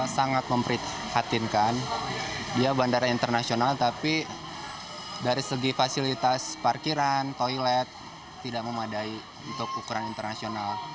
sangat memprihatinkan dia bandara internasional tapi dari segi fasilitas parkiran toilet tidak memadai untuk ukuran internasional